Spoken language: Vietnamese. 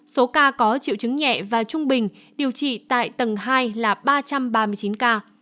số ca có triệu chứng nhẹ và trung bình điều trị tại tầng hai là ba trăm ba mươi chín ca